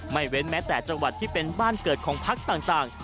ไม่เว้นแต่จังหวัดที่เป็นบ้านเกิดของภักดิ์ต่าง